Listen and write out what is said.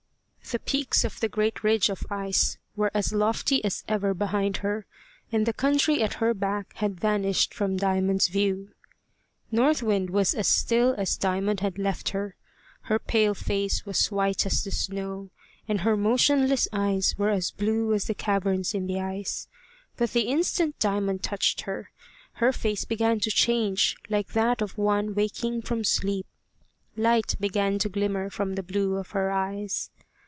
The peaks of the great ridge of ice were as lofty as ever behind her, and the country at her back had vanished from Diamond's view. North Wind was as still as Diamond had left her. Her pale face was white as the snow, and her motionless eyes were as blue as the caverns in the ice. But the instant Diamond touched her, her face began to change like that of one waking from sleep. Light began to glimmer from the blue of her eyes.